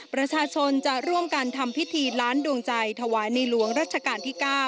ประชาชนจะร่วมกันทำพิธีล้านดวงใจถวายในหลวงรัชกาลที่๙